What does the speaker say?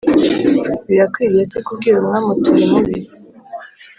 Birakwiriye se kubwira umwami uti Uri mubi